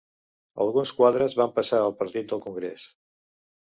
Alguns quadres van passar al Partit del Congrés.